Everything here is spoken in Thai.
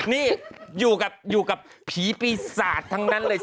นี่อยู่กับผีปีศาจทั้งนั้นเลย